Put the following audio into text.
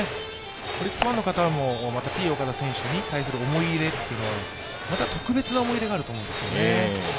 オリックスファンの方はＴ−岡田選手に対する思い入れというのはまた特別な思い入れがあると思います。